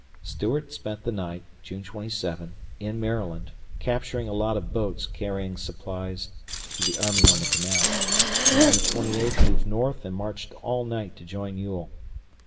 Stuart spent the night (June 27) in Maryland, capturing a lot of boats carrying supplies to the army on the canal, and on the twenty eighth moved north and marched all night to join Ewell.